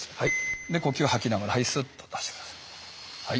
で呼吸吐きながらはいスッと出して下さい。